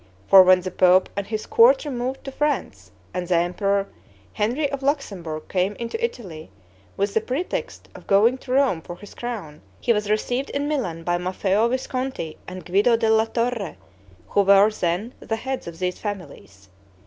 For when the pope and his court removed to France, and the emperor, Henry of Luxemburg, came into Italy, with the pretext of going to Rome for his crown, he was received in Milan by Maffeo Visconti and Guido della Torre, who were then the heads of these families.